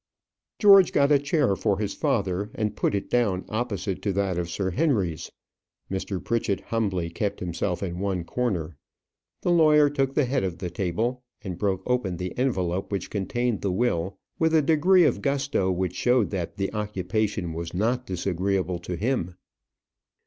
George got a chair for his father, and put it down opposite to that of Sir Henry's. Mr. Pritchett humbly kept himself in one corner. The lawyer took the head of the table, and broke open the envelope which contained the will with a degree of gusto which showed that the occupation was not disagreeable to him.